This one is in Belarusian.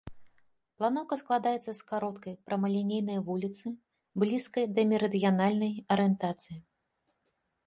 Планоўка складаецца з кароткай прамалінейнай вуліцы, блізкай да мерыдыянальнай арыентацыі.